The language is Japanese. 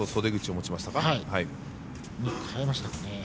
変えましたかね。